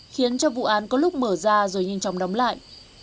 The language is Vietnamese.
khiến cho vụ án có lúc mở ra rồi nhanh chóng đóng lại